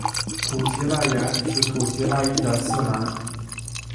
土岐赖元是土岐赖艺的四男。